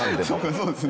そうですね。